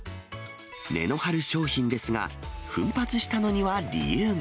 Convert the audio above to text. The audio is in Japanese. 値の張る商品ですが、奮発したのには理由が。